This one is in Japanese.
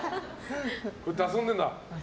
こうやって遊んでるんだ。